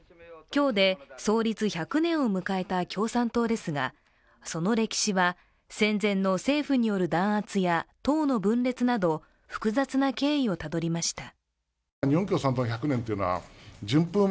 今日で創立１００年を迎えた共産党ですがその歴史は戦前の政府による弾圧や党の分裂など複雑な経緯をたどりました。